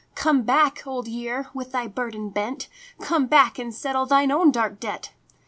" Come back, Old Year, with thy burden bent. Come back and settle thine own dark debt."